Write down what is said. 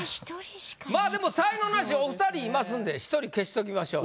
まあでも才能ナシはお２人いますんで１人消しときましょう。